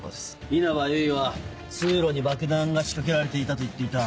因幡由衣は通路に爆弾が仕掛けられていたと言っていた。